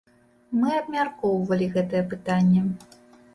Мы абмяркоўвалі гэтае пытанне.